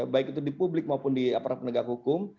baik itu di publik maupun di aparat penegak hukum